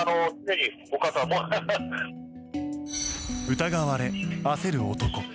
疑われ焦る男。